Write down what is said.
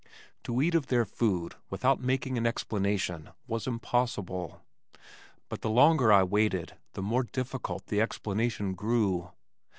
To eat of their food without making an explanation was impossible but the longer I waited the more difficult the explanation grew.